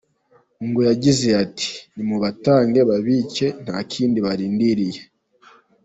Ngo yagize ati “ Nimubatange babice nta kindi barindiriye.